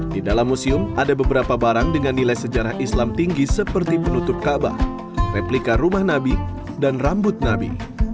di dalam museum ada beberapa barang dengan nilai sejarah islam tinggi seperti penutup kaabah replika rumah nabi dan rambut nabi